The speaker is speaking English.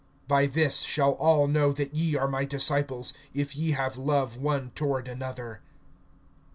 (35)By this shall all know that ye are my disciples, if ye have love one toward another.